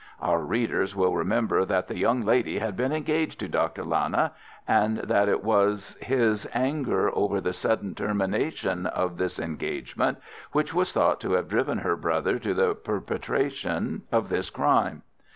Our readers will remember that the young lady had been engaged to Dr. Lana, and that it was his anger over the sudden termination of this engagement which was thought to have driven her brother to the perpetration of this crime.